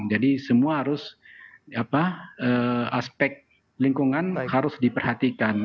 jadi semua aspek lingkungan harus diperhatikan